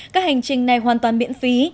các hành trình này hoàn toàn miễn phí